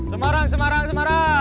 semarang semarang semarang